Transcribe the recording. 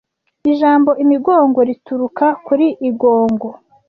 Ijambo Imigongo rituruka kuri Igongo